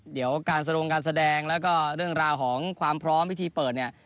เดี๋ยวการสลงการแสดงแล้วก็เรื่องราวของความพร้อมพิธีเปิดเนี่ย